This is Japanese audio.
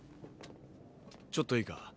ちょっといいか？